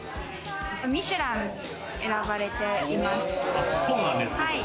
ミシュランに選ばれています。